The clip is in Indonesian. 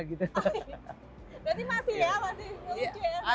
berarti masih ya